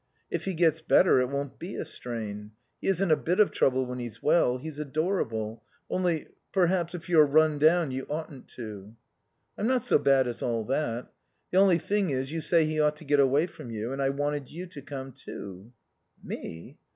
"If he gets better it won't be a strain. He isn't a bit of trouble when he's well. He's adorable. Only perhaps if you're run down you oughtn't to." "I'm not so bad as all that. The only thing is, you say he ought to get away from you, and I wanted you to come too." "Me?"